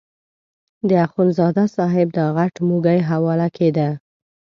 د اخندزاده صاحب دا غټ موږی حواله کېده.